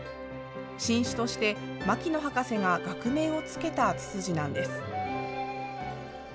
新種として牧野博士が学名を付けたツツジなんです。